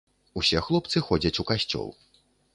Усе хлопцы ходзяць у касцёл.